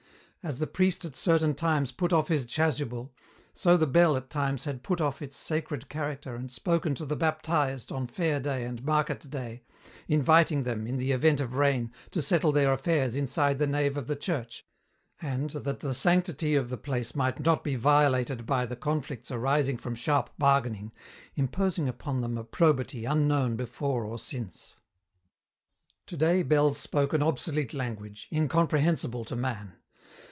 As the priest at certain times put off his chasuble, so the bell at times had put off its sacred character and spoken to the baptized on fair day and market day, inviting them, in the event of rain, to settle their affairs inside the nave of the church and, that the sanctity of the place might not be violated by the conflicts arising from sharp bargaining, imposing upon them a probity unknown before or since. Today bells spoke an obsolete language, incomprehensible to man.